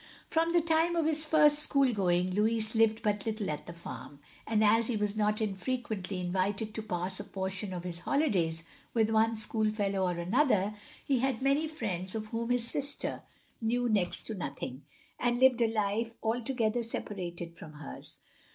From the time of his first school going Louis lived but little at the farm; and as he was not infrequently invited to pass a portion of his holidays with one schoolfellow or another, he had many friends of whom his sister knew next to nothing, and lived a life altogether separated from hers.